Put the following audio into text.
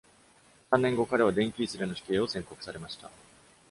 三年後、彼は、電気椅子での死刑を宣告されました。